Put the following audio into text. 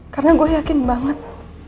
karena gue yakin banget